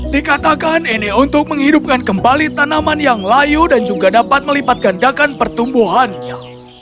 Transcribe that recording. dikatakan ini untuk menghidupkan kembali tanaman yang layu dan juga dapat melipat gandakan pertumbuhannya